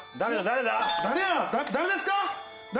誰ですか？